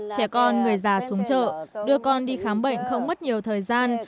trẻ con người già xuống chợ đưa con đi khám bệnh không mất nhiều thời gian